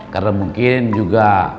karena mungkin juga